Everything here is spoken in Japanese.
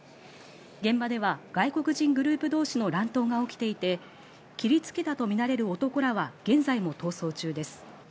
現場では外国人グループ同士の乱闘が起きていて、切りつけたとみられる男らは現在も逃走中です。